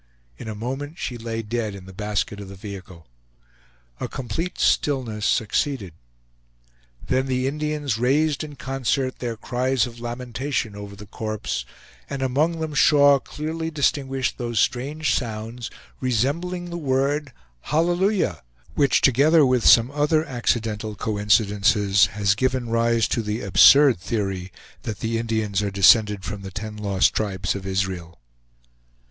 In a moment she lay dead in the basket of the vehicle. A complete stillness succeeded; then the Indians raised in concert their cries of lamentation over the corpse, and among them Shaw clearly distinguished those strange sounds resembling the word "Halleluyah," which together with some other accidental coincidences has given rise to the absurd theory that the Indians are descended from the ten lost tribes of Israel.